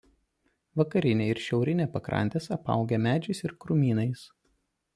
Vakarinė ir šiaurinė pakrantės apaugę medžiais ir krūmynais.